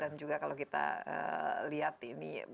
dan juga kalau kita lihat ini